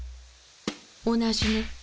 同じね。